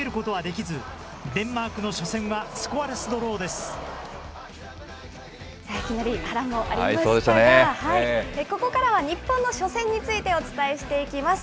いきなり波乱もありましたが、ここからは日本の初戦についてお伝えしていきます。